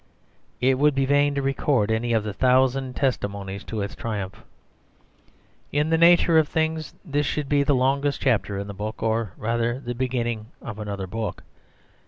It would be vain to record any of the thousand testimonies to its triumph. In the nature of things, this should be the longest chapter in the book, or rather the beginning of another book.